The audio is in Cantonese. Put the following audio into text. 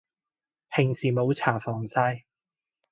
平時冇搽防曬